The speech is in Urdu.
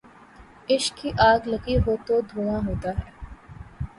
عشق کی آگ لگی ہو تو دھواں ہوتا ہے